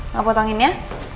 mau potong ini ya